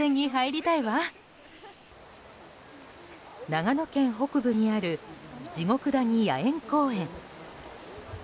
長野県北部にある地獄谷野猿公苑。